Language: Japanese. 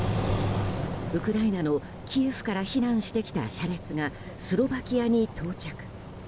ウクライナのキエフから避難してきた車列がスロバキアに到着。